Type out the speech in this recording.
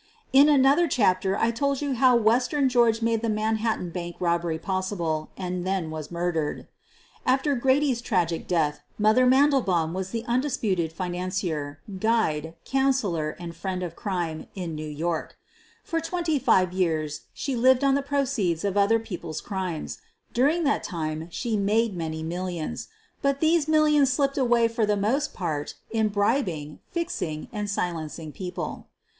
In an other chapter I told you how "Western George" made the Manhattan Bank robbery possible and then was murdered. After Grady's tragic death, "Mother" Mandel 200 SOPHIE LYONS baum was the undisputed financier, guide, counsellor, and friend of crime in New York. For twenty five years she lived on the proceeds of other people's crimes. During that time she made many millions. But these millions slipped away for the most part in bribing, fixing, and silenc ing people.